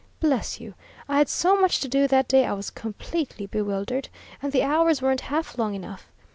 Bless you! I had so much to do that day I was completely bewildered, and the hours weren't half long enough.